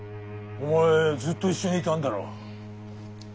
お前ずっと一緒にいたんだろ。